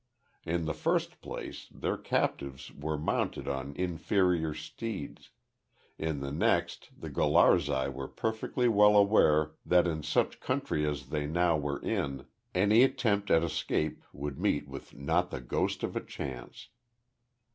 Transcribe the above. In the first place their captives were mounted on inferior steeds, in the next the Gularzai were perfectly well aware that in such country as they now were in, any attempt at escape would meet with not the ghost of a chance.